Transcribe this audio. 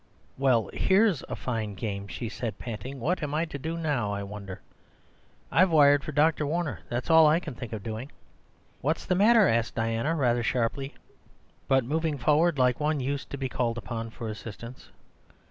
"Well, here's a fine game!" she said, panting. "What am I to do now, I wonder? I've wired for Dr. Warner; that's all I can think of doing." "What is the matter?" asked Diana, rather sharply, but moving forward like one used to be called upon for assistance.